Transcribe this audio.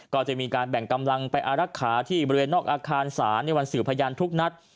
ก็จะมีการแบ่งกำลังไปอารักษาที่บริเวณนอกอาคารศาลในวันสื่อพยานทุกนัด